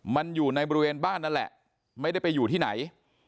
มันอยู่ในบริเวณบ้านนั่นแหละไม่ได้ไปอยู่ที่ไหน